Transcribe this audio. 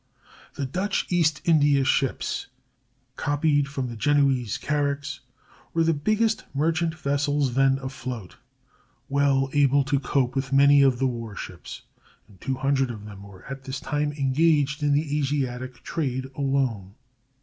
The Dutch East India ships, copied from the Genoese carracks, were the biggest merchant vessels then afloat, well able to cope with many of the war ships; and two hundred of them were at this time engaged in the Asiatic trade alone.